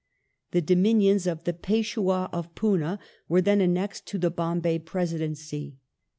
The dominions of the Peshwd of Poona were then annexed to the Bombay Presidency.